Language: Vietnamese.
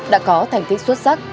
đã có thành tích xuất sắc